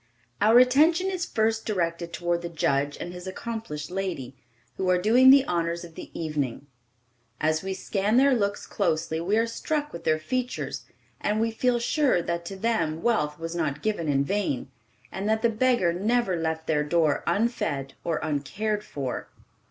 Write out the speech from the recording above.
Our attention is first directed toward the judge and his accomplished lady, who are doing the honors of the evening. As we scan their looks closely, we are struck with their features, and we feel sure that to them wealth was not given in vain, and that the beggar never left their door unfed or uncared for.